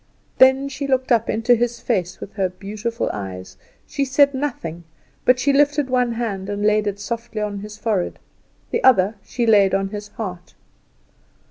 Then she looked up into his face with her beautiful eyes. She said nothing; but she lifted one hand and laid it softly on his forehead; the other she laid on his heart.